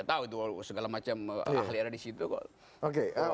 tahu itu segala macam ahli ada di situ kok